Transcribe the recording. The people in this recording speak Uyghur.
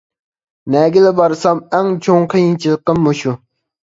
نەگىلا بارسام ئەڭ چوڭ قىيىنچىلىقىم مۇشۇ.